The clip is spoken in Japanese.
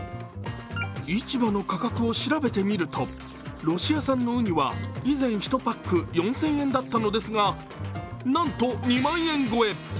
市場の価格を調べてみると、ロシア産のうには以前１パック４０００円だったのですがなんと２万円超え。